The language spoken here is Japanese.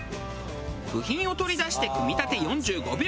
部品を取り出して組み立て４５秒。